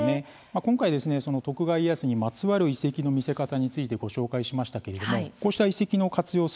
今回は徳川家康にまつわる遺跡の見せ方についてご紹介しましたけれどもこうした遺跡の活用